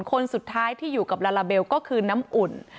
คนสุดท้ายที่อยู่กับลาลาเบลก็คือน้ำอุ่น